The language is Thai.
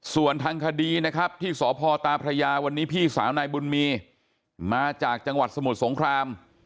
ส่วนทางคดีนะครับที่สพตาพระยาวันนี้พี่สาวนายบุญมีมาจากจังหวัดสมุทรสงคราม